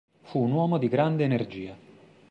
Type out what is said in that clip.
Fu un uomo di grande energia.